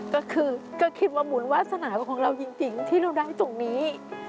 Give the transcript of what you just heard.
ก็คือก็คิดว่าหมุนวาสนาของเราจริงที่เราได้ตรงนี้